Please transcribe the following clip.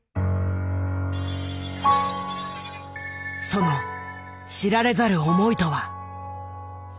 その知られざる思いとは？